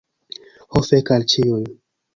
Ho fek al ĉiuj.